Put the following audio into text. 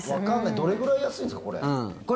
どれぐらい安いんですか、これ。